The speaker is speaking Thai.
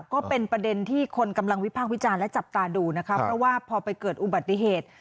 ก็เป็นประเด็นที่คนกำลังวิพากษ์วิจารณ์และจับตาดูนะคะเพราะว่าพอไปเกิดอุบัติเหตุ